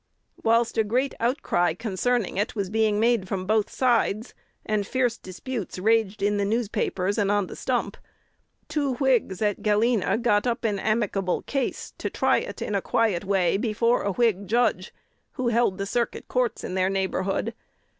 Whilst a great outcry concerning it was being made from both sides, and fierce disputes raged in the newspapers and on the stump, two Whigs at Galena got up an amicable case, to try it in a quiet way before a Whig judge, who held the Circuit Courts in their neighborhood.